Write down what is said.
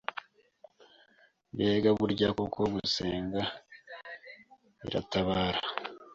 Mbega Burya koko gusenga biratabara!